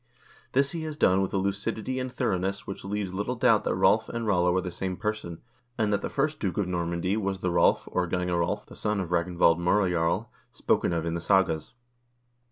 This he has done with a lucidity and thoroughness which leaves little doubt that Rolv and Rollo are the same person, and that the first duke of Normandy was the Rolv, or Gange Rolv, the son of Ragnvald M0rejarl, spoken of in the sagas.